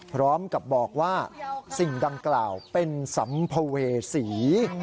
พร้อมกับบอกว่าสิ่งดังกล่าวเป็นสัมภเวษี